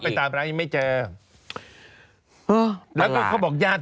ที่ที่วัดเขาไม่